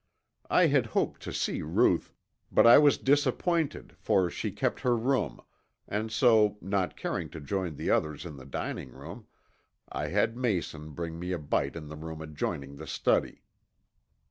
I had hoped to see Ruth, but I was disappointed for she kept her room and so, not caring to join the others in the dining room, I had Mason bring me a bite in the room adjoining the study.